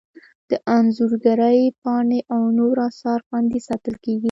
د انځورګرۍ پاڼې او نور اثار خوندي ساتل کیږي.